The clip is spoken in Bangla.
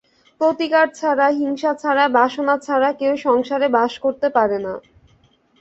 প্রতিকার ছাড়া, হিংসা ছাড়া, বাসনা ছাড়া কেউ সংসারে বাস করতে পারে না।